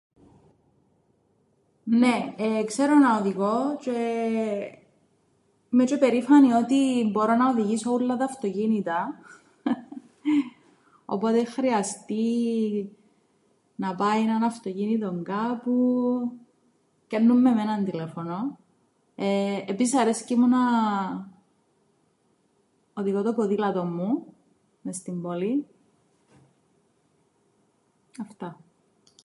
Νναι ξέρω να οδηγώ τžαι είμαι τžαι περήφανη ότι μπορώ να οδηγήσω ούλλα τ' αυτοκίνητα, όποτε αν χρειαστεί να πάει έναν αυτοκίνητον κάπου, πιάννουν με εμέναν τηλέφωνον. Επίσης αρέσκει μου να οδηγώ το ποδήλατον μου μες στην πόλην, αυτά.